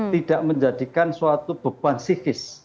tidak menjadikan suatu beban psikis